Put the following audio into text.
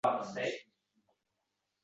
Hech kimning e'tirozi yo'q